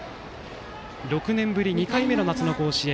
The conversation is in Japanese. ６年ぶり２回目の夏の甲子園。